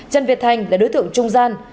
trần việt thành là đối thượng trung gian